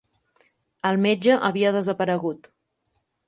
El metge havia desaparegut